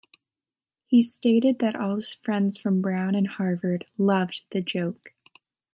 He stated that all his friends from Brown and Harvard "loved" the joke.